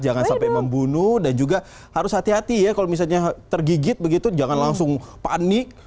jangan sampai membunuh dan juga harus hati hati ya kalau misalnya tergigit begitu jangan langsung panik